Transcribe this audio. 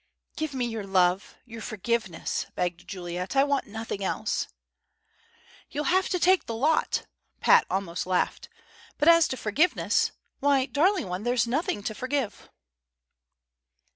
"Give me your love your forgiveness," begged Juliet. "I want nothing else." "You'll have to take the lot!" Pat almost laughed. "But as to forgiveness why, darling one, there's nothing to forgive!"